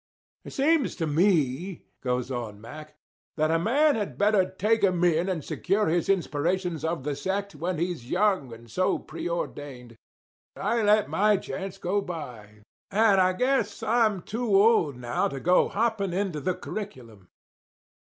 "It seems to me," goes on Mack, "that a man had better take 'em in and secure his inspirations of the sect when he's young and so preordained. I let my chance go by; and I guess I'm too old now to go hopping into the curriculum."